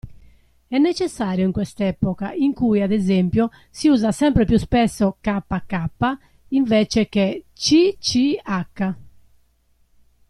È necessario in quest'epoca in cui, ad esempio, si usa sempre più spesso "kk" invece che "cch".